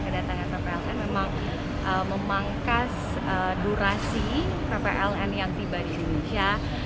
kedatangan ppln memangkas durasi ppln yang tiba di indonesia